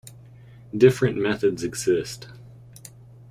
Different methods exist.